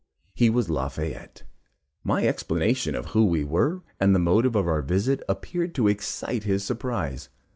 He was Lafayette. My explanation of who we were, and the motive of our visit, appeared to excite his surprise.